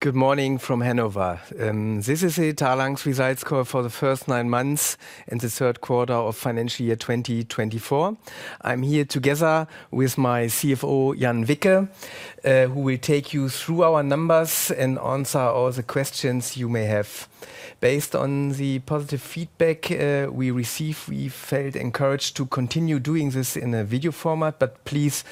Good morning from Hannover. This is the Talanx's results call for the first nine months in the third quarter of financial year 2024. I'm here together with my CFO, Jan Wicke, who will take you through our numbers and answer all the questions you may have. Based on the positive feedback we receive, we felt encouraged to continue doing this in a video format. But please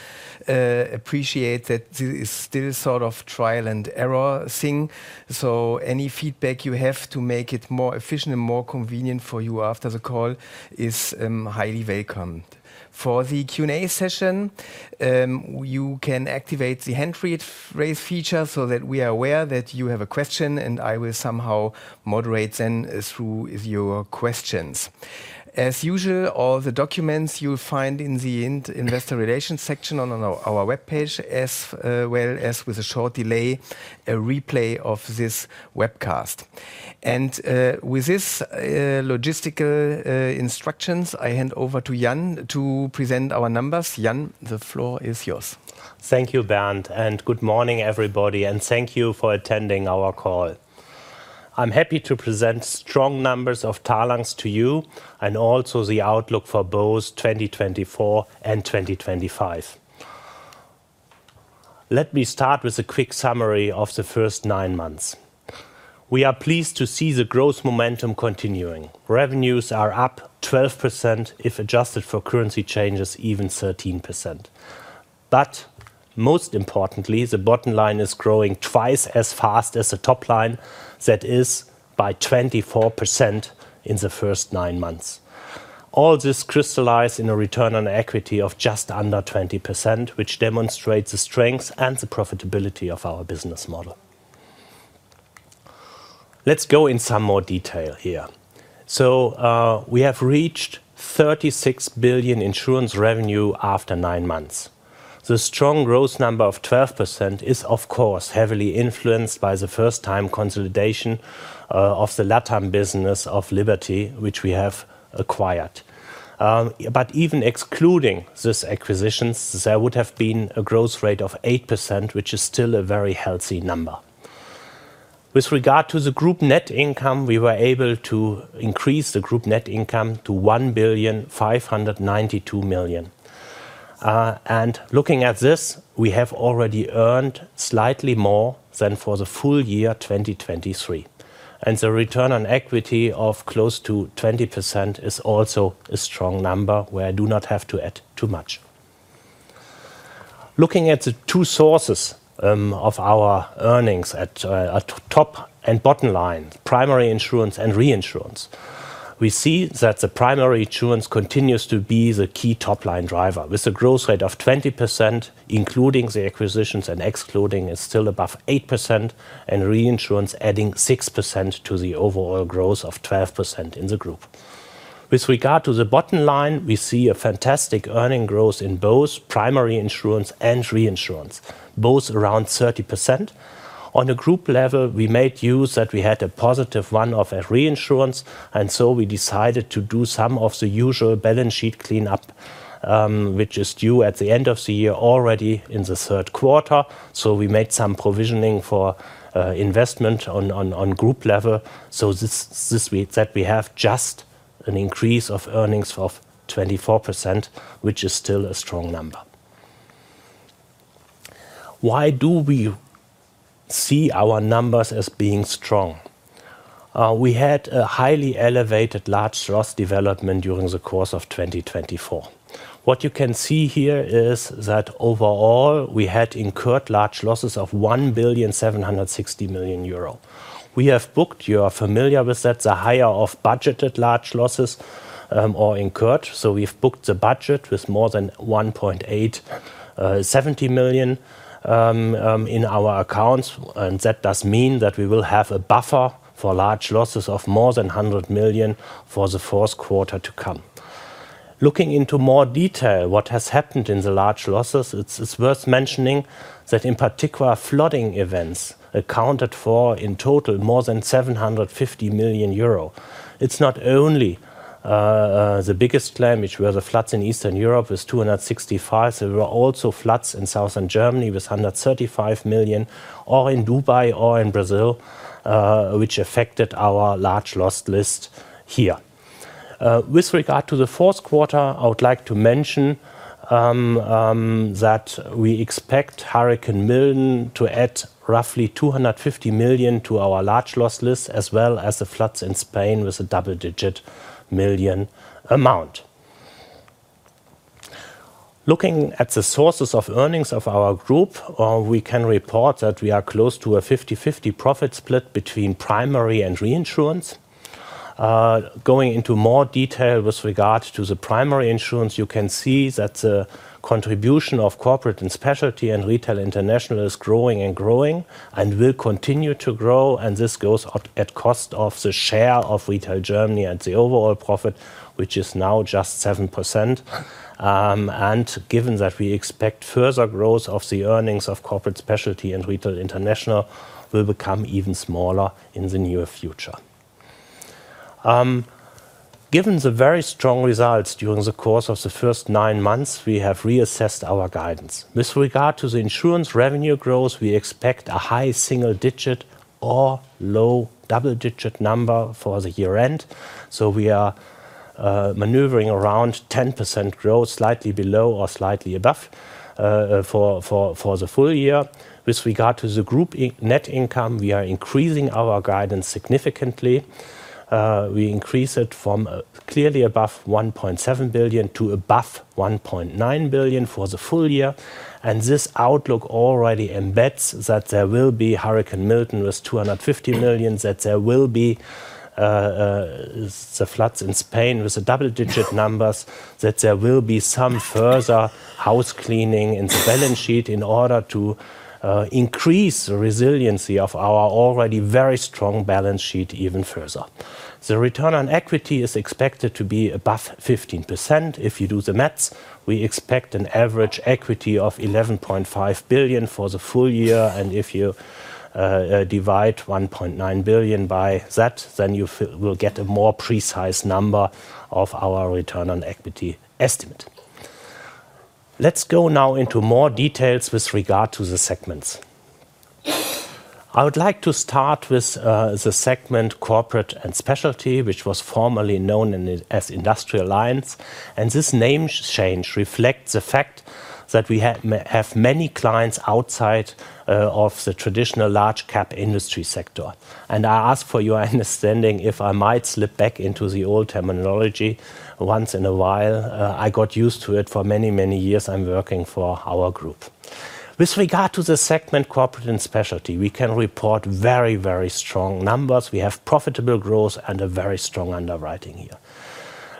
appreciate that this is still sort of trial and error thing. So any feedback you have to make it more efficient and more convenient for you after the call is highly welcomed. For the Q and A session, you can activate the hand raise feature so that we are aware that you have a question, and I will somehow moderate them through your questions. As usual, all the documents you'll find in the investor relations section on our webpage, as well as, with a short delay, a replay of this webcast. And with this logistical instructions, I hand over to Jan to present our numbers. Jan, the floor is yours. Thank you, Bernd, and good morning, everybody, and thank you for attending our call. I'm happy to present strong numbers of Talanx to you and also the outlook for both 2024 and 2025. Let me start with a quick summary of the first nine months. We are pleased to see the growth momentum continuing. Revenues are up 12% if adjusted for currency changes, even 13%. But most importantly, the bottom line is growing twice as fast as the top line, that is by 24% in the first nine months. All this crystallize in a return on equity of just under 20% which demonstrates the strength and the profitability of our business model. Let's go in some more detail here. So we have reached 36 billion insurance revenue after nine months. The strong growth number of 12% is of course heavily influenced by the first time consolidation of the LatAm business of Liberty, which we have acquired. But even excluding this acquisition, there would have been a growth rate of 8% which is still a very healthy number. With regard to the group net income, we were able to increase the group net income to 1,592,000,000. And looking at this, we have already earned slightly more than for the full year 2023. And the return on equity of close to 20% is also a strong number where I do not have to add too much. Looking at the two sources of our earnings at top and bottom line, Primary Insurance and Reinsurance. We see that the Primary Insurance continues to be the key top line driver. With a growth rate of 20% including the acquisitions and excluding is still above 8% and Reinsurance adding 6% to the overall growth of 12% in the group. With regard to the bottom line, we see a fantastic earnings growth in both Primary Insurance and Reinsurance, both around 30%. On a group level, we made use that we had a positive one-off in Reinsurance, and so we decided to do some of the usual balance sheet cleanup which is due at the end of the year, already in the third quarter, so we made some provisioning for investment on group level so that we have just an increase of earnings of 24% which is still a strong number. Why do we see our numbers as being strong? We had a highly elevated large loss development during the course of 2024. What you can see here is that overall we had incurred large losses of 1,760,000,000 euro. We have booked. You are familiar with that, the higher of budgeted large losses or incurred. So we've booked the budget with more than 1.870 [billion] in our accounts. And that does mean that we will have a buffer for large losses of more than 100 million for the fourth quarter to come. Looking into more detail what has happened in the large losses, it's worth mentioning that in particular flooding events accounted for in total more than 750 million euro. It's not only the biggest claim which were the floods in Eastern Europe was 265 million. There were also floods in Southern Germany with 135 million or in Dubai or in Brazil, which affected our large loss list here. With regard to the fourth quarter, I would like to mention that we expect Hurricane Milton to add roughly 250 million to our large loss list as well as the floods in Spain with a double-digit million amount. Looking at the sources of earnings of our group, we can report that we are close to a 50/50 profit split between Primary Insurance and Reinsurance. Going into more detail with regard to the Primary Insurance, you can see that the contribution of Corporate & Specialty and Retail International is growing and growing and will continue to grow, and this goes at cost of the share of Retail Germany and the overall profit which is now just 7%, and given that we expect further growth of the earnings of Corporate & Specialty and Retail International will become even smaller in the near future. Given the very strong results during the course of the first nine months. We have reassessed our guidance with regard to the insurance revenue growth. We expect a high single-digit or low double-digit number for the year-end. So we are maneuvering around 10% growth slightly below or slightly above for the full year. With regard to the group net income, we are increasing our guidance significantly. We increase it from clearly above 1.7 billion to above 1.9 billion for the full year. And this outlook already embeds that there will be Hurricane Milton with 250 million. That there will be the floods in Spain with a double-digit number. That there will be some further house cleaning in the balance sheet. In order to increase the resiliency of our already very strong balance sheet even further. The return on equity is expected to be above 15%. If you do the math we expect an average equity of 11.5 billion for the full year. And if you divide 1.9 billion by that then you will get a more precise number of our return on equity estimate. Let's go now into more details with regard to the segments. I would like to start with the segment Corporate & Specialty which was formerly known as Industrial Lines. And this name change reflects the fact that that we have many clients outside of the traditional large-cap industry sector. And I ask for your understanding if I might slip back into the old terminology once in a while. I got used to it for many many years I'm working for our group. With regard to the segment Corporate & Specialty, we can report very very strong numbers. We have profitable growth and a very strong underwriting here.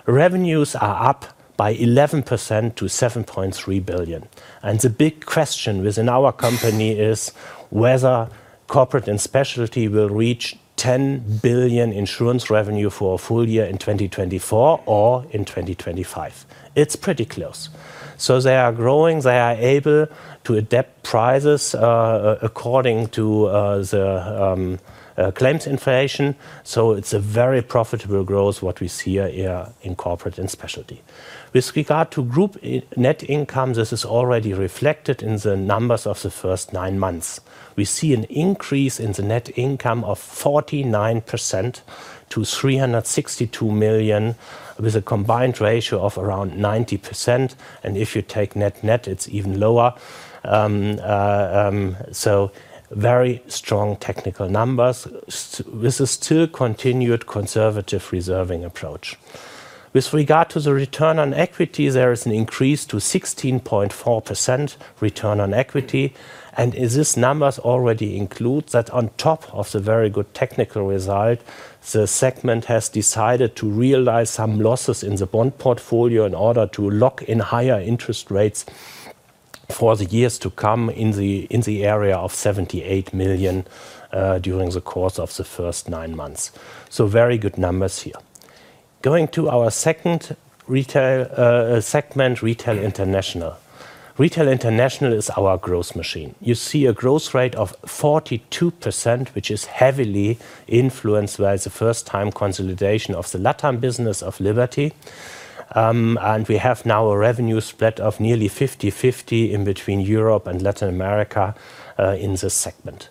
Revenues are up by 11% to 7.3 billion. And the big question within our company is whether Corporate & Specialty will reach 10 billion insurance revenue for a full year in 2024 or in 2025. It's pretty close. So they are growing. They are able to adapt prices according to the claims inflation. So it's a very profitable growth. What we see here in Corporate & Specialty. With regard to group net income, this is already reflected in the numbers of the first nine months. We see an increase in the net income of 49% to 362 million with a combined ratio of around 90%. And if you take net net it's even lower. So very strong technical numbers. This is still continued conservative reserving approach. With regard to the return on equity, there is an increase to 16.4% return on equity. And this numbers already include that on top of the very good technical result, the segment has decided to realize some losses in the bond portfolio in order to lock in higher interest rates for the years to come in the area of 78 million during the course of the first nine months. So very good numbers here. Going to our second retail segment, Retail International. Retail International is our growth machine. You see a growth rate of 42% which is heavily influenced by the first time consolidation of the LatAm business of Liberty. And we have now a revenue spread of nearly 50/50 in between Europe and Latin America in this segment.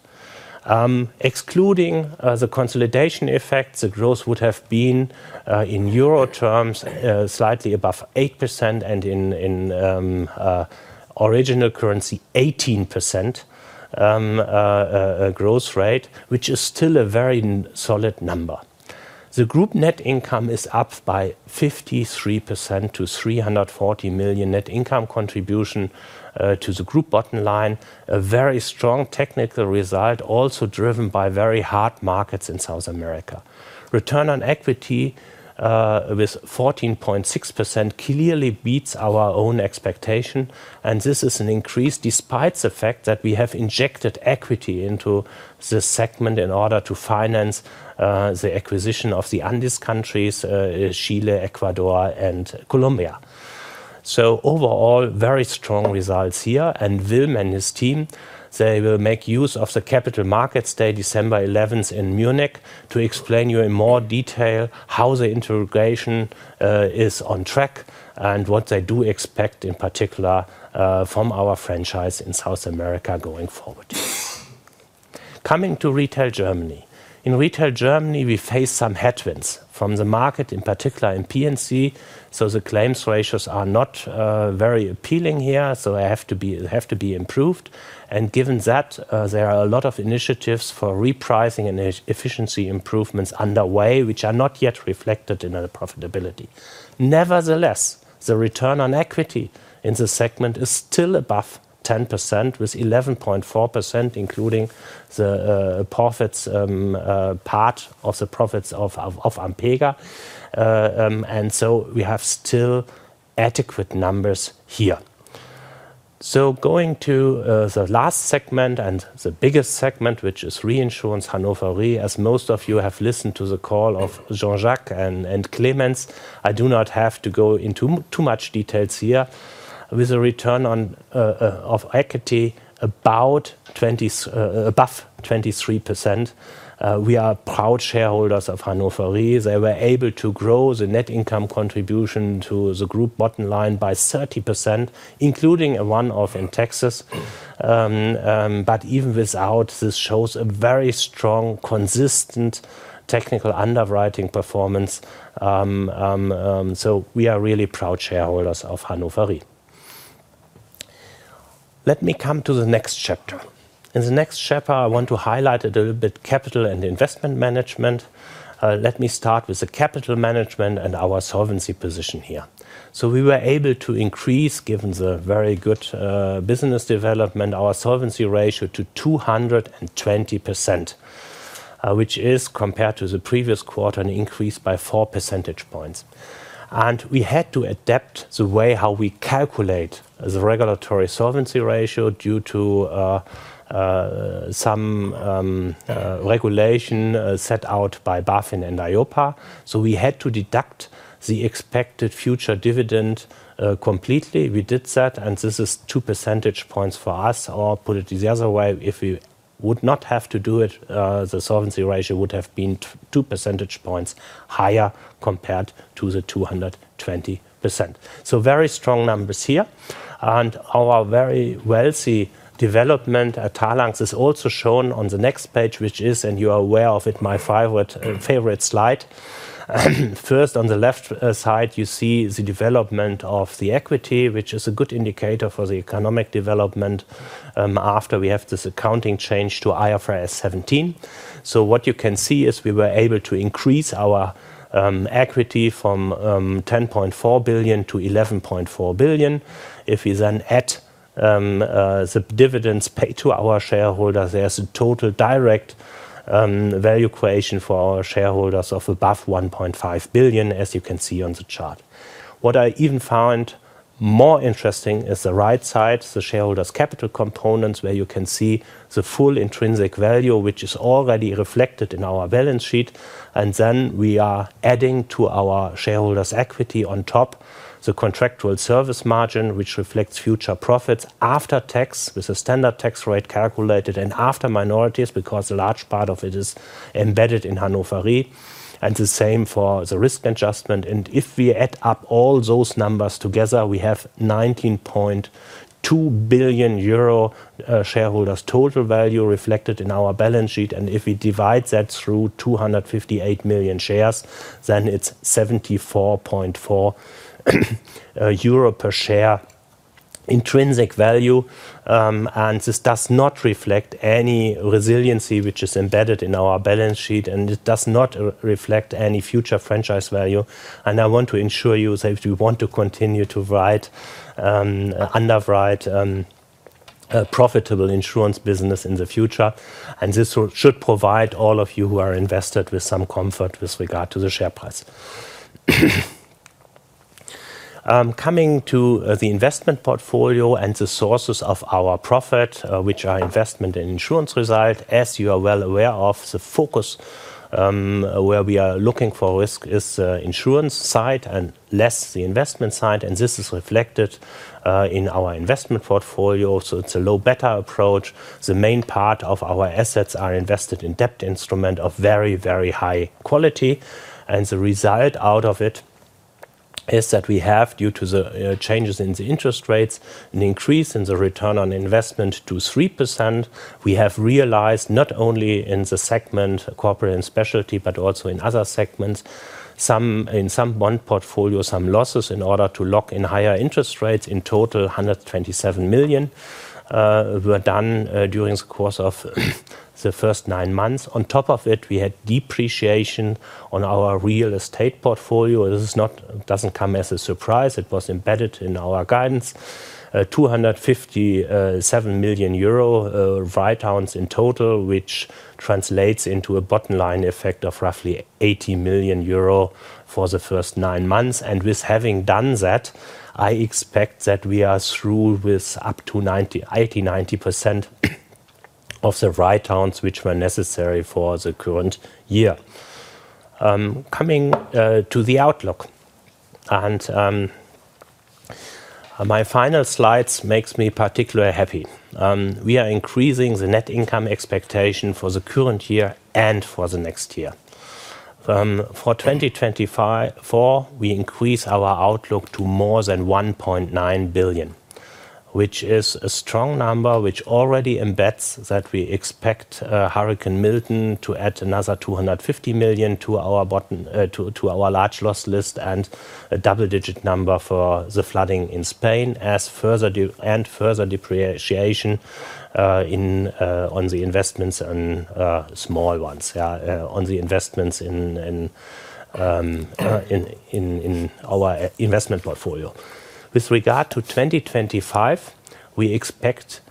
Excluding the consolidation effect, the growth would have been in euro terms slightly above 8% and in original currency 18% growth rate, which is still a very solid number. The group net income is up by 53% to 340 million net income contribution to the group bottom line, a very strong technical result also driven by very hot markets in South America. Return on equity with 14.6% clearly beats our own expectation. This is an increase despite the fact that we have injected equity into this segment in order to finance the acquisition of the Andes countries, Chile, Ecuador and Colombia. Overall, very strong results here. Wilm and his team, they will make use of the Capital Markets Day December 11th in Munich to explain to you in more detail how the integration is on track and what they do expect in particular from our franchise in South America going forward. Coming to Retail Germany. In Retail Germany, we face some headwinds from the market, in particular in P/C. The claims ratios are not very appealing here. They have to be improved. Given that there are a lot of initiatives for repricing and efficiency improvements underway, which are not yet reflected in our profitability. Nevertheless, the return on equity in the segment is still above 10% with 11.4% including the profits part of the profits of Ampega, so we have still adequate numbers here. Going to the last segment and the biggest segment, which is Reinsurance, Hannover Re, as most of you have listened to the call of Jean-Jacques and Clemens, I do not have to go into too much detail here. With a return on equity above 23%, we are proud shareholders of Hannover Re. They were able to grow the net income contribution to the group bottom line by 30%, including a one-off in Texas. But even without this, it shows a very strong consistent technical underwriting performance. We are really proud shareholders of Hannover Re. Let me come to the next chapter. In the next chapter I want to highlight a little bit capital and investment management. Let me start with the capital management and our solvency position here. So we were able to increase, given the very good business development, our solvency ratio to 220% which is compared to the previous quarter, an increase by four percentage points. And we had to adapt the way how we calculate the regulatory solvency ratio due to some regulation set out by BaFin and EIOPA, so we had to deduct the expected future dividend completely. We did that and this is two percentage points for us. Or put it the other way, if we would not have to do it. The solvency ratio would have been two percentage points higher compared to the 220%. So very strong numbers here. Our very healthy development at Talanx is also shown on the next page, which is, and you are aware of it, my favorite slide. First on the left side you see the development of the equity, which is a good indicator for the economic development after we have this accounting change to IFRS 17. What you can see is we were able to increase our equity from 10.4 billion to 11.4 billion. If we then add the dividends paid to our shareholders, there's a total direct value creation for our shareholders of above 1.5 billion, as you can see on the chart. What I even found more interesting is the right side the shareholders' capital components where you can see the full intrinsic value which is already reflected in our balance sheet. Then we are adding to our shareholders' equity on top the contractual service margin which reflects future profits after tax with a standard tax rate calculated and after minorities, because a large part of it is embedded in Hannover Re and the same for the risk adjustment. If we add up all those numbers together, we have 19.2 billion euro shareholders total value reflected in our balance sheet. If we divide that through 258 million shares, then it's 74.4 euro per share intrinsic value. This does not reflect any resiliency which is embedded in our balance sheet. It does not reflect any future franchise value. I want to ensure you that you want to continue to underwrite profitable insurance business in the future. This should provide all of you who are invested with some comfort with regard to the share price. Coming to the investment portfolio and the sources of our profit which are investment and insurance result. As you are well aware of the focus where we are looking for risk is insurance side and less the investment side. This is reflected in our investment portfolio. It's a low beta approach. The main part of our assets are invested in debt instrument of very, very high quality. The result out of it is that we have, due to the changes in the interest rates, an increase in the return on investment to 3%. We have realized not only in the segment Corporate & Specialty, but also in other segments. In some bond portfolio, some losses in order to lock in higher interest rates. In total 127 million were done during the course of the first nine months. On top of it we had depreciation on our real estate portfolio. This is not. It doesn't come as a surprise. It was embedded in our guidance. 257 million euro write-downs in total, which translates into a bottom line effect of roughly 80 million euro for the first nine months. And with having done that, I expect that we are through with up to 80%-90% of the write-downs which were necessary for the current year. Coming to the outlook and my final slides makes me particularly happy. We are increasing the net income expectation for the current year and for the next year. For 2024 we increase our outlook to more than 1.9 billion, which is a strong number which already embeds that we expect Hurricane Milton to add another 250 million to our bottom line to our large loss list and a double-digit number for the flooding in Spain as further depreciation on the investments on small ones in our investment portfolio. With regard to 2025, we expect,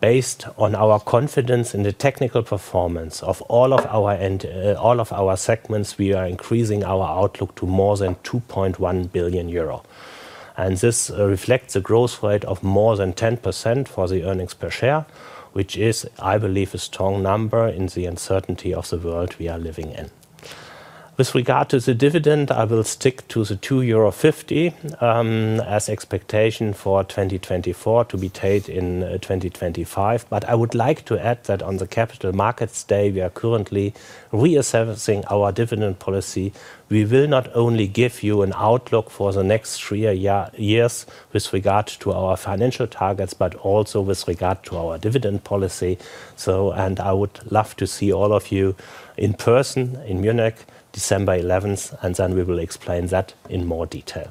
based on our confidence in the technical performance of all of our segments, we are increasing our outlook to more than 2.1 billion euro, and this reflects a growth rate of more than 10% for the earnings per share, which is, I believe, a strong number in the uncertainty of the world we are living in. With regard to the dividend, I will stick to the 2.50 euro as expectation for 2024 to be paid in 2025, but I would like to add that on the Capital Markets Day we are currently reassessing our dividend policy. We will not only give you an outlook for the next three years with regard to our financial targets, but also with regard to our dividend policy. I would love to see all of you in person in Munich, December 11th, and then we will explain that in more detail.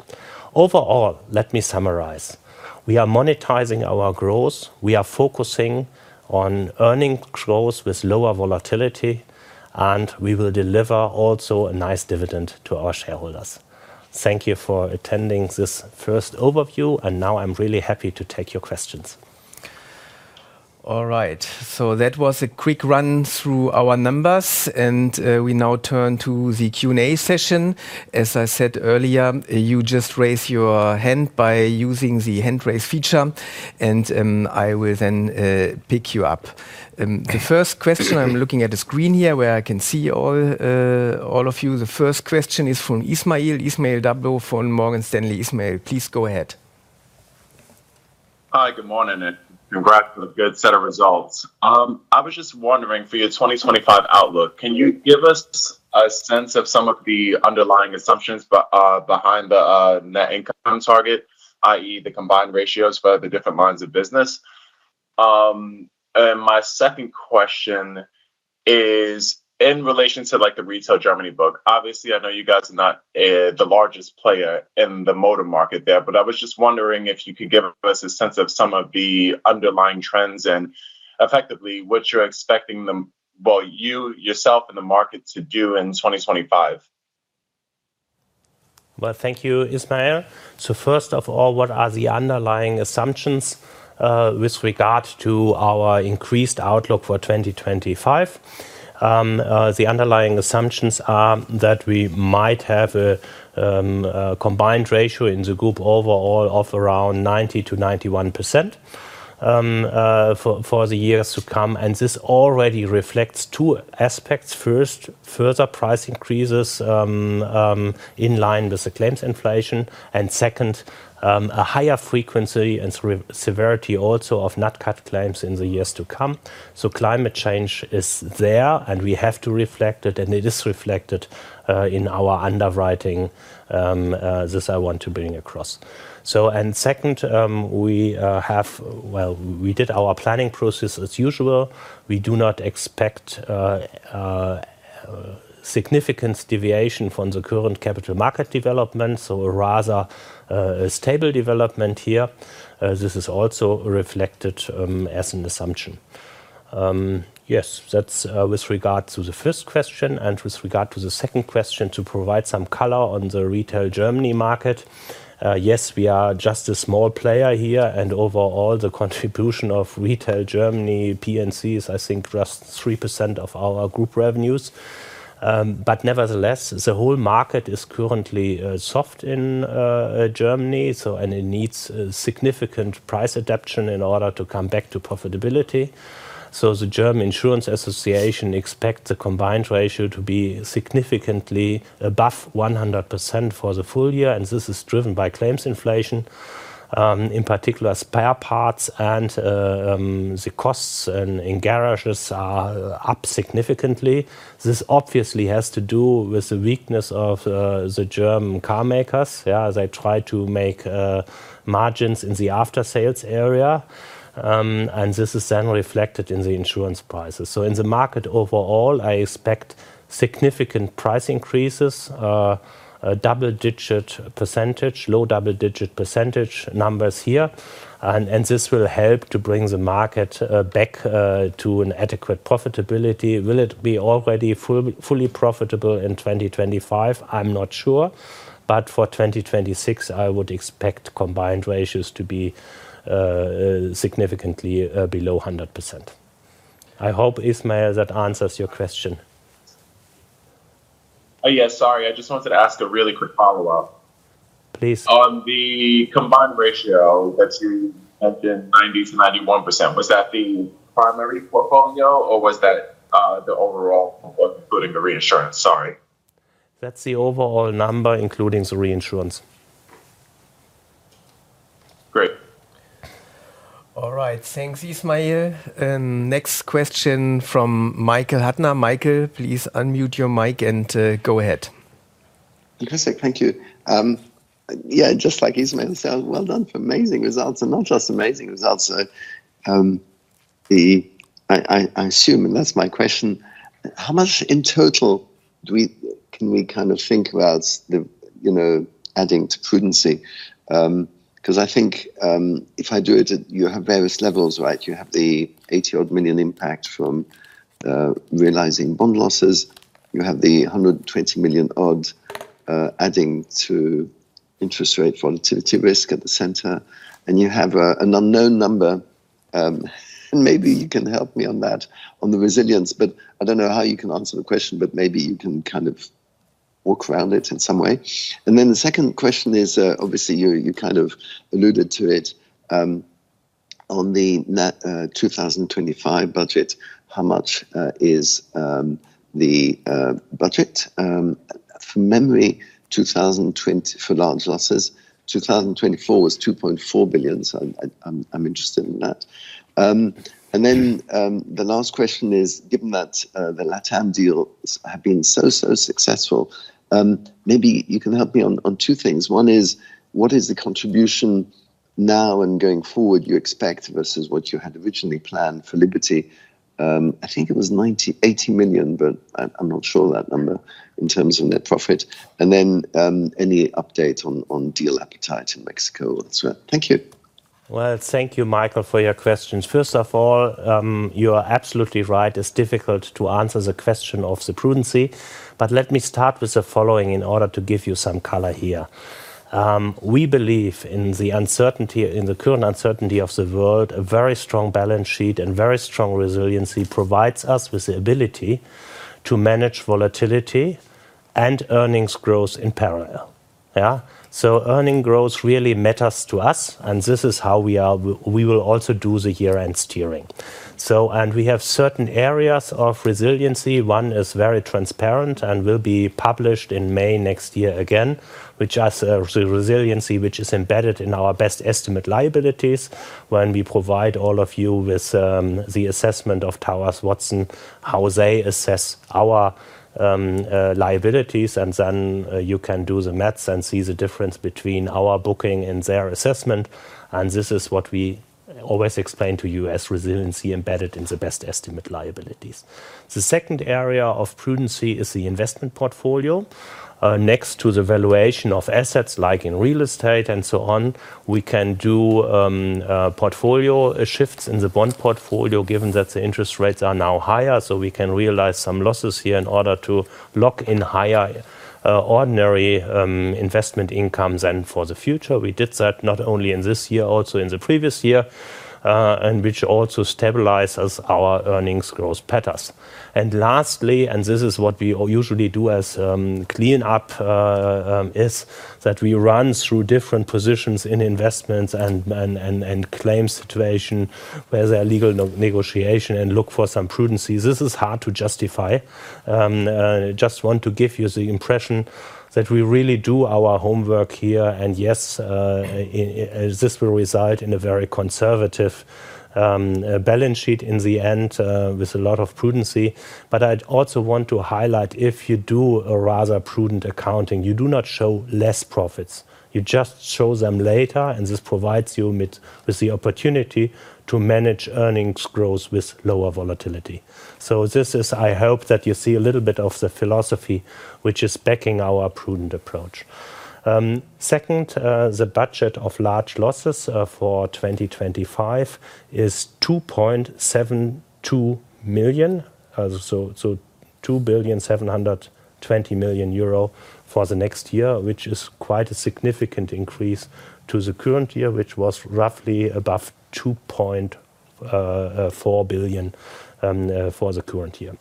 Overall, let me summarize. We are monetizing our growth. We are focusing on earnings growth with lower volatility and we will deliver also a nice dividend to our shareholders. Thank you for attending this first overview and now I'm really happy to take your questions. All right, so that was a quick run through our numbers and we now turn to the Q and A session. As I said earlier, you just raise your hand by using the hand raise feature and I will then pick you up the first question. I'm looking at the screen here where I can see all of you. The first question is from Ismael Dabo from Morgan Stanley. Ismael, please go ahead. Hi, good morning. Congrats for a good set of results. I was just wondering for your 2025 outlook, can you give us a sense of some of the underlying assumptions behind the net income target, i.e. the combined ratios for the different lines of business? My second question is in relation to like the Retail Germany book. Obviously I know you guys are not the largest player in the motor market there, but I was just wondering if you could give us a sense of some of the underlying trends and effectively what you're expecting them to do? Well, you yourself in the market to do in 2025. Thank you, Ismael. First of all, what are the underlying assumptions with regard to our increased outlook for 2025? The underlying assumptions are that we might have a combined ratio in the group overall of around 90%-91% for the years to come. This already reflects two aspects. First, further price increases in line with the claims inflation and second, a higher frequency and severity also of NatCat claims in the years to come. Climate change is there and we have to reflect it. It is reflected in our underwriting. This I want to bring across. Second, we have. We did our planning process as usual. We do not expect significant deviation from the current capital market development. Rather a stable development here. This is also reflected as an assumption. Yes, that's with regards to the first question and with regard to the second question, to provide some color on the Retail Germany market. Yes, we are just a small player here and overall the contribution of Retail Germany P/C is I think just 3% of our group revenues. But nevertheless, the whole market is currently soft in Germany and it needs significant price adaptation in order to come back to profitability. So the German Insurance Association expects the combined ratio to be significantly above 100% for the full year. And this is driven by claims inflation in particular spare parts and the costs in garages are up significantly. This obviously has to do with the weakness of the German carmakers. They try to make margins in the after sales area and this is then reflected in the insurance policy prices. So in the market overall, I expect significant price increases, double-digit percentage, low double-digit percentage numbers here. And this will help to bring the market back to an adequate profitability. Will it be already fully profitable in 2025? I'm not sure, but for 2026 I would expect combined ratios to be significantly below 100%. I hope, Ismael, that answers your question. Yes, sorry, I just wanted to ask a really quick follow-up. Please. On the combined ratio that you mentioned, 90%-91%. Was that the primary portfolio or was that the overall including the Reinsurance? Sorry. That's the overall number including the Reinsurance. Great. All right, thanks, Ismael. Next question from Michael Huttner. Michael, please unmute your mic and go ahead. Fantastic. Thank you. Yeah, just like Ismael said, well done for amazing results. And not just amazing results I assume, and that's my question, how much in total can we kind of think about adding to prudency? Because I think if I do it, you have various levels, right? You have the 80-odd million impact from realizing bond losses. You have the 120-odd million adding to interest rate volatility risk at the center and you have an unknown number. And maybe you can help me on that, on the resilience, but I don't know how you can answer the question, but maybe you can kind of walk around it in some way. And then the second question is obviously you kind of alluded to it on the 2025 budget, how much is the budget? From memory 2020 for large losses, 2024 was 2.4 billion. I'm interested in that. Then the last question is, given that the LatAm deal have been so, so successful, maybe you can help me on two things. One is what is the contribution now and going forward you expect versus what you had originally planned for Liberty? I think it was 80 million-90 million, but I'm not sure that number in terms of net profit. Then any update on deal appetite in Mexico? Thank you. Thank you Michael for your questions. First of all, you are absolutely right. It's difficult to answer the question of the prudence. But let me start with the following in order to give you some color here. We believe in the uncertainty, in the current uncertainty of the world. A very strong balance sheet and very strong resiliency provides us with the ability to manage volatility and earnings growth in parallel. Earning growth really matters to us. This is how we will also do the year-end steering. We have certain areas of resiliency. One is very transparent and will be published in May next year. Again, which are the resiliency which is embedded in our best estimate liabilities. When we provide all of you with the assessment of Towers Watson, how they assess our liabilities and then you can do the math and see the difference between our booking and their assessment. And this is what we always explain to you as resiliency embedded in the best estimate liabilities. The second area of prudency is the investment portfolio next to the valuation of assets like in real estate and so on. We can do portfolio shifts in the bond portfolio given that the interest rates are now higher. So we can realize some losses here in order to lock in higher ordinary investment incomes. And for the future we did that not only in this year, also in the previous year and which also stabilizes our earnings growth patterns. And lastly, and this is what we usually do as clean up is that we run through different positions in investments and claim situation where there are legal negotiation and look for some prudencies. This is hard to justify. Just want to give you the impression that we really do our homework here. And yes, this will result in a very conservative balance sheet in the end with a lot of prudency. But I'd also want to highlight, if you do a rather prudent accounting, you do not show less profits, you just show them later. And this provides you with the opportunity to manage earnings growth with lower volatility. So this is, I hope that you see a little bit of the philosophy which is backing our prudent approach. Second, the budget of large losses for 2025 is 2.72 million. 2,720,000,000 euro for the next year, which is quite a significant increase to the current year, which was roughly above 2.4 billion for the current year.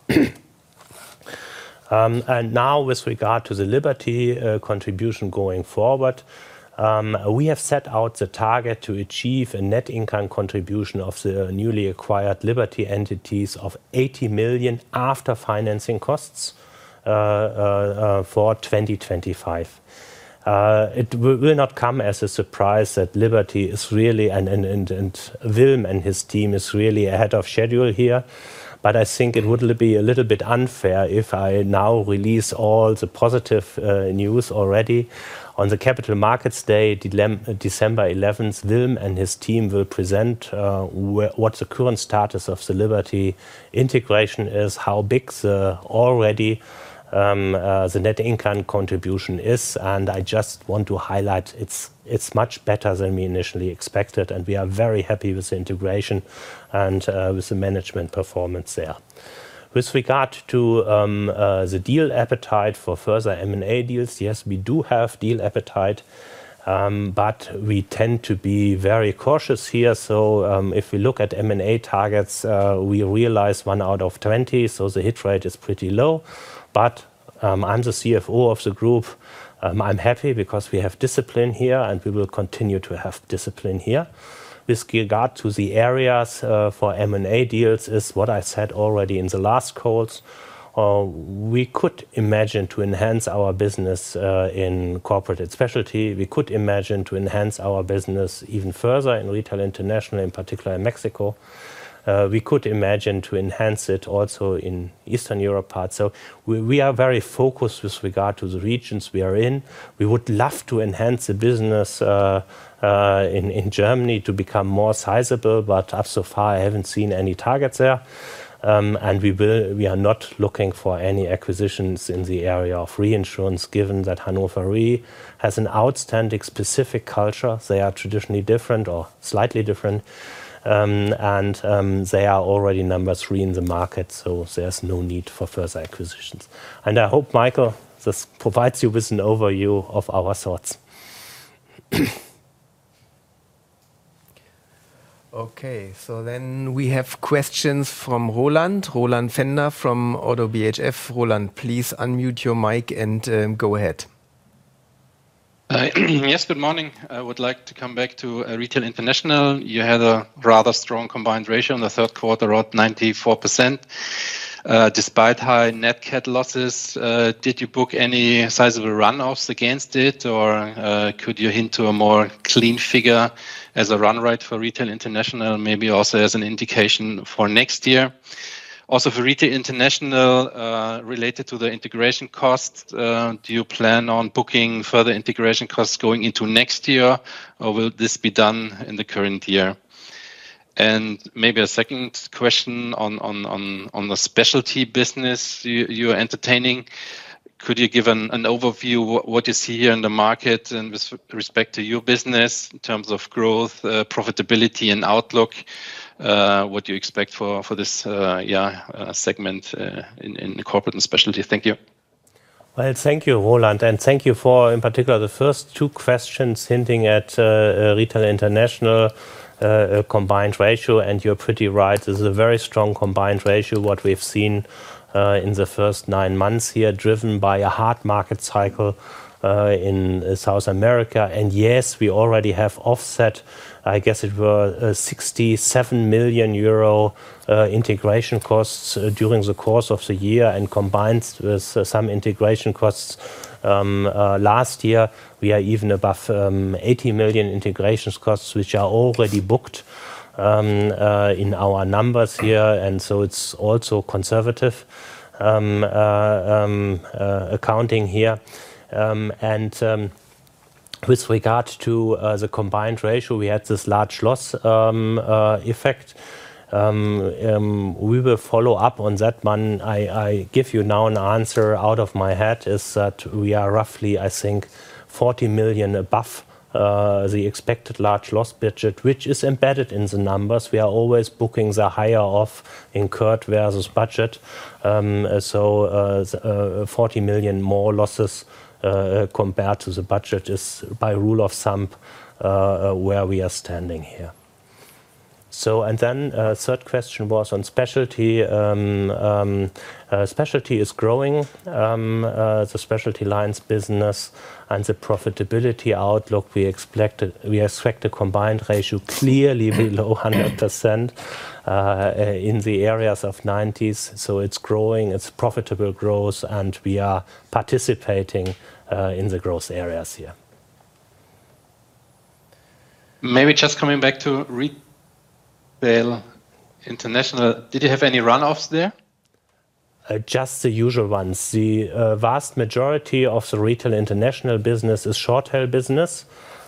Now with regard to the Liberty contribution going forward, we have set out the target to achieve a net income contribution of the newly acquired Liberty entities of 80 million after financing costs for 2025. It will not come as a surprise that Liberty is really. Wilm and his team is really ahead of schedule here. But I think it would be a little bit unfair if I now release all the positive news already on the Capital Markets Day, December 11th. Wilm and his team will present what the current status of the Liberty integration is, how big already the net income contribution is. I just want to highlight it's much better than we initially expected and we are very happy with the integration and with the management performance there. With regard to the deal appetite for further M&A deals, yes, we do have deal appetite, but we tend to be very cautious here. So if we look at M&A targets, we realize one out of 20. So the hit rate is pretty low. But I'm the CFO of the group. I'm happy because we have discipline here and we will continue to have discipline here with regard to the areas for M&A deals is what I said already in the last calls. We could imagine to enhance our business in Corporate & Specialty. We could imagine to enhance our business even further in Retail International, in particular in Mexico. We could imagine to enhance it also in Eastern Europe part. So we are very focused with regard to the regions we are in. We would love to enhance the business in Germany to become more sizable. But so far I haven't seen any targets there. And we will. We are not looking for any acquisitions in the area of Reinsurance given that Hannover Re has an outstanding specific culture. They are traditionally different or slightly different and they are already number three in the market. So there's no need for further acquisitions. And I hope, Michael, this provides you with an overview of our thoughts. Okay, so then we have questions from Roland, Roland Pfänder from ODDO BHF. Roland, please unmute your mic and go ahead. Yes, good morning. I would like to come back to Retail International. You had a rather strong combined ratio in third quarter 94% despite high NatCat losses. Did you book any sizable runoffs against it or could you hint to a more clean figure as a run rate for Retail International maybe also as an indication for next year? Also for Retail International related to the integration cost. Do you plan on booking further integration costs going into next year or will this be done in the current year? And maybe a second question on the specialty business you are entertaining. Could you give an overview what you see here in the market and with respect to your business in terms of growth, profitability and outlook? What do you expect for this segment in the Corporate & Specialty? Thank you. Thank you Roland and thank you for in particular the first two questions hinting at Retail International combined ratio. You're pretty right, this is a very strong combined ratio. What we've seen in the first nine months here driven by a hot market cycle in South America. Yes we already have offset, I guess it were 67 million euro integration costs during the course of the year. Combined with some integration costs last year, we are even above 80 million integration costs which are already booked in our numbers here. It's also conservative accounting here. With regard to the combined ratio we had this large loss effect. We will follow up on that one. I give you now an answer out of my head. It is that we are roughly, I think, 40 million above the expected large loss budget, which is embedded in the numbers. We are always booking the higher of incurred versus budget. So 40 million more losses compared to the budget is, by rule of thumb, where we are standing here. And then the third question was on Specialty. Specialty is growing, the specialty lines business and the profitability outlook we expect. We expect a combined ratio clearly below 100% in the 90s%. So it's growing, it's profitable growth, and we are participating in the growth areas here. Maybe just coming back to Retail International, did you have any runoffs there? Just the usual ones. The vast majority of the Retail International business is hotel business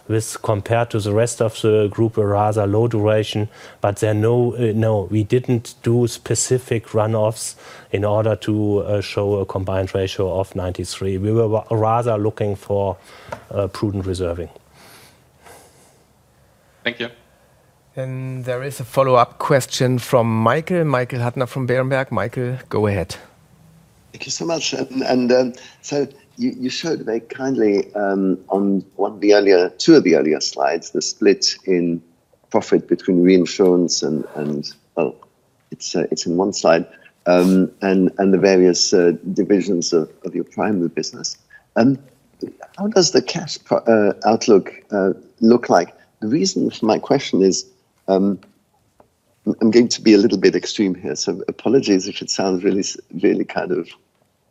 with, compared to the rest of the group, a rather low duration. But there are no, we didn't do specific runoffs in order to show a combined ratio of 93%. We were rather looking for prudent reserving. Thank you. There is a follow-up question from Michael, Michael Huttner from Berenberg. Michael, go ahead. Thank you so much. And so you showed very kindly on two of the earlier slides the split in profit between Reinsurance and, well, it's, it's in one side and the various divisions of your primary business. And how does the cash outlook look like? The reason for my question is I'm going to be a little bit extreme here. So apologies if it sounds really, really kind of,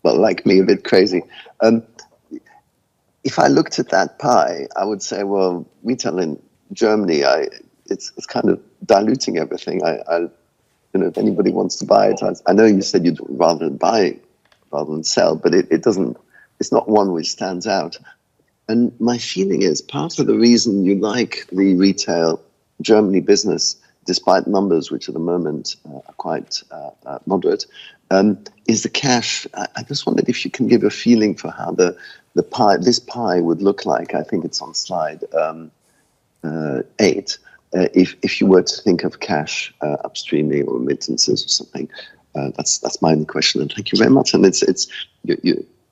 well, like me, a bit crazy. If I looked at that pie, I would say, well, Retail Germany, it's kind of diluting everything if anybody wants to buy it. I know you said you'd rather buy rather than sell, but it doesn't, it's not one which stands out. And my feeling is part of the reason you like the Retail Germany business, despite numbers which at the moment are quite moderate, is the cash. I just wondered if you can give a feeling for how this pie would look like. I think it's on slide eight. If you were to think of cash upstreaming or maintenances or something. That's my question and thank you very much.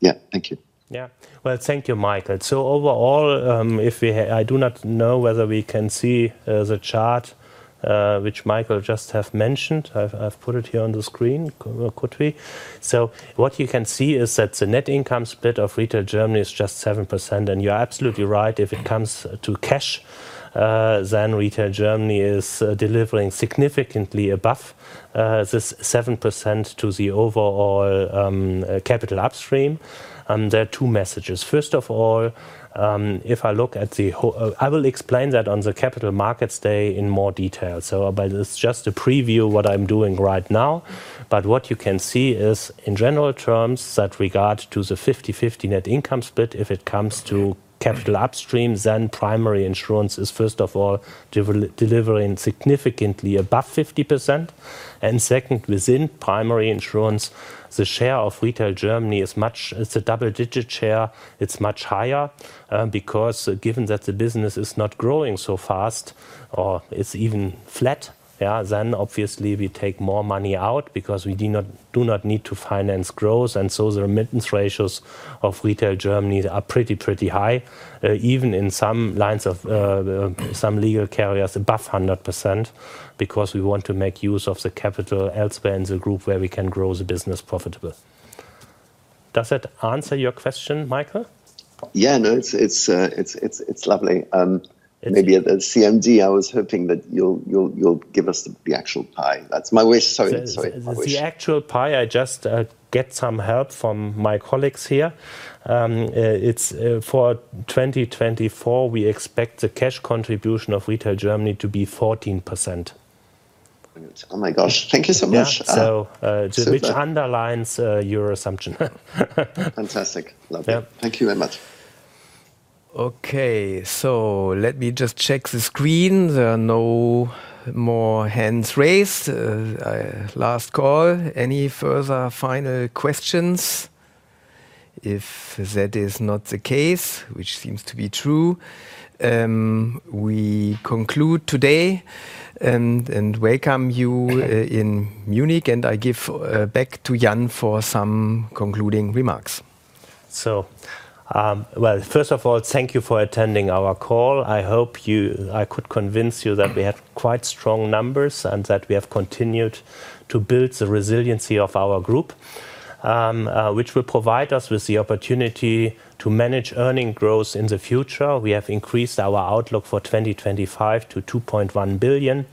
Yeah, thank you. Yeah, well, thank you, Michael. So overall, I do not know whether we can see the chart which Michael just have mentioned. I've put it here on the screen. So what you can see is that the net income split of Retail Germany is just 7%. And you're absolutely right, if it comes to cash, then Retail Germany is delivering significantly above this 7% to the overall capital upstream. There are two messages. First of all, I will explain that on the Capital Markets Day in more detail. So it's just a preview what I'm doing right now. But what you can see is in general terms that regard to the 50/50 net income split, if it comes to capital upstream, then Primary Insurance is first of all delivering significantly above 50%. Second, within Primary Insurance, the share of Retail Germany is much. It's a double digit share. It's much higher because, given that the business is not growing so fast or it's even flat. Yeah. Then obviously we take more money out because we do not need to finance growth. And so the remittance ratios of Retail Germany are pretty high, even in some lines of some legal carriers, above 100%. Because we want to make use of the capital elsewhere in the group where we can grow the business profitable. Does that answer your question, Michael? Yeah, no, it's lovely. Maybe at CMD, I was hoping that you'll give us the actual pie. That's my wish. Sorry. That's the actual pie. I just get some help from my colleagues here. For 2024, we expect the cash contribution of Retail Germany to be 14%. Oh my gosh. Thank you so much. Which underlines your assumption. Fantastic. Thank you very much. Okay, so let me just check the screen. There are no more hands raised. Last call. Any further final questions? If that is not the case, which seems to be true, we conclude today and welcome you in Munich, and I give back to Jan for some concluding remarks. First of all, thank you for attending our call. I hope I could convince you that we had quite strong numbers and that we have continued to build the resiliency of our group, which will provide us with the opportunity to manage earning growth in the future. We have increased our outlook for 2025 to 2.1 billion.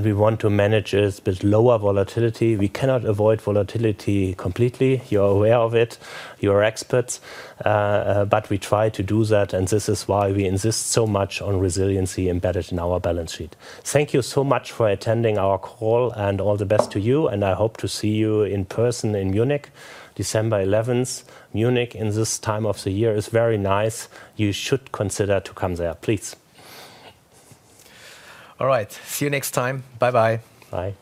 We want to manage this lower volatility. We cannot avoid volatility completely. You are aware of it, you are experts. But we try to do that. This is why we insist so much on resiliency embedded in our balance sheet. Thank you so much for attending our call, and all the best to you. I hope to see you in person in Munich, December 11th. Munich in this time of the year is very nice. You should consider to come there, please. All right, see you next time. Bye. Bye. Bye.